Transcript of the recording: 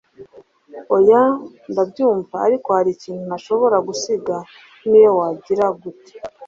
hoya! ndabyumva ariko hari ikintu ntashobora gusiga niyo wagira gute!